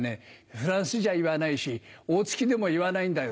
フランスじゃ言わないし大月でも言わないんだよ」。